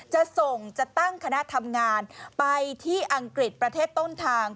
จะส่งจะตั้งคณะทำงานไปที่อังกฤษประเทศต้นทาง